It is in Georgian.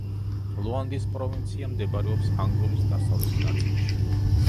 ლუანდის პროვინცია მდებარეობს ანგოლის დასავლეთ ნაწილში.